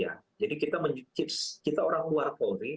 ya jadi kita mencips kita orang luar polri